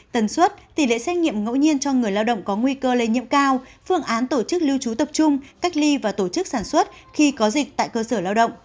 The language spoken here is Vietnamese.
tần suất tỷ lệ xét nghiệm ngẫu nhiên cho người lao động có nguy cơ lây nhiễm cao phương án tổ chức lưu trú tập trung cách ly và tổ chức sản xuất khi có dịch tại cơ sở lao động